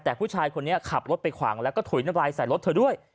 แต่ผู้ชายคนนี้ขับรถไปขวางแล้วก็ถุยน้ำลายใส่รถเธอด้วย